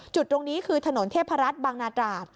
จุดตรงนี้คือถนนเทพรัฐบางนาตราด